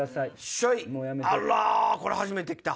あらこれ初めて来た。